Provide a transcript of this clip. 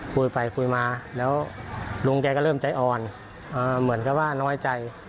คุยไปคุยมาแล้วลุงแกก็เริ่มใจอ่อนเหมือนกับว่าน้อยใจ